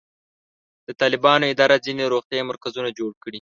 د طالبانو اداره ځینې روغتیایي مرکزونه جوړ کړي.